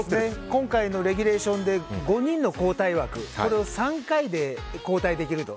今回のレギュレーションで５人の交代枠を３回で交代できると。